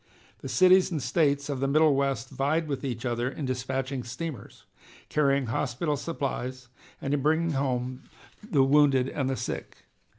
The cities and States of the Middle West vied with each other in dispatching steamers, carrying hospital supplies and in bringing home the wounded and sick.